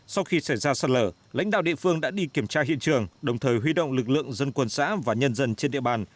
sau khi xảy ra sạt lở lãnh đạo địa phương đã đi kiểm tra hiện trường đồng thời huy động lực lượng dân quân xã và nhân dân trên địa bàn